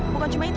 bukan cuma itu